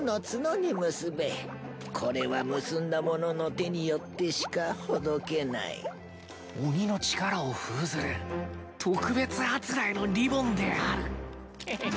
「これは結んだ者の手によってしかほどけない」「鬼の力を封ずる特別あつらえのリボンである」ヘヘ。